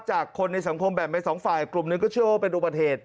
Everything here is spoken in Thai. จากคนในสังคมแบบไหม๒ฝ่ายกลุ่มนึงก็ชื่อว่าเป็นอุปเทศ